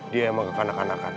dia emang kekanak kanakan